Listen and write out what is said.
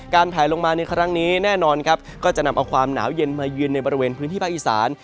แผลลงมาในครั้งนี้แน่นอนครับก็จะนำเอาความหนาวเย็นมายืนในบริเวณพื้นที่ภาคอีสาน